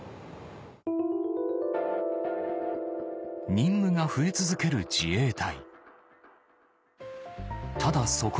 任務が増え続ける自衛隊